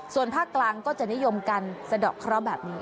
ส่วนภาคกลางก็จะนิยมกันสะดอกเคราะห์แบบนี้